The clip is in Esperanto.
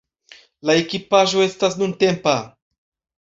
La ekipaĵo estas nuntempa.